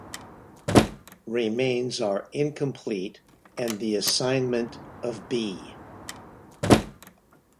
Remains are incomplete and the assignment of B.